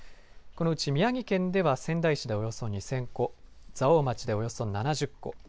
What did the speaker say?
このうち宮城県では仙台市でおよそ２０００戸蔵王町で、およそ７０戸